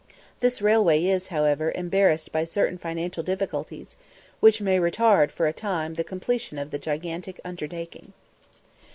This railway is, however, embarrassed by certain financial difficulties, which may retard for a time the completion of the gigantic undertaking.